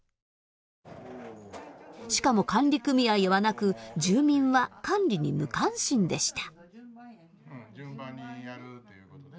しかも管理組合はなく住民は管理に無関心でした。